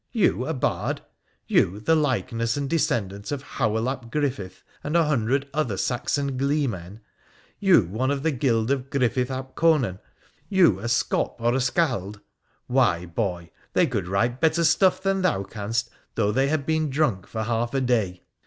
You a bard ! You the likenes3 and descendant of Howell ap Griffith and an hundred other Saxon gleemen ! You one of the guild of Gryffith ap Conan — you a scop or a skald !— why, boy, they could write better stuff than thou canst though they had been drunk for half a day